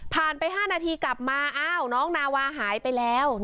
ไป๕นาทีกลับมาอ้าวน้องนาวาหายไปแล้ว